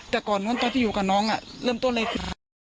แต่ก่อนนู้นตอนที่อยู่กับน้องเริ่มต้นเลยค่ะ